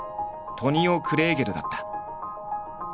「トニオ・クレエゲル」だった。